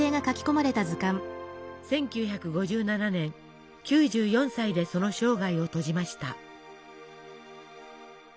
１９５７年９４歳でその生涯を閉じました。